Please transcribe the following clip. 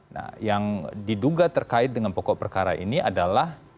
nah yang diduga terkait dengan pokok perkara ini adalah